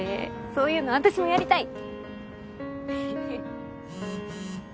そういうの私もやりたい！